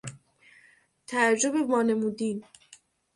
تعجب وانمودین